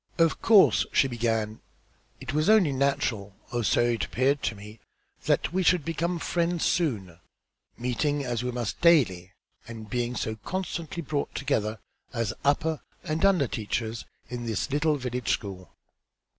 "Of course," she began, "it was only natural, or so it appeared to me, that we should become friends soon, meeting, as we must, daily, and being so constantly brought together, as upper and under teachers in this little village school.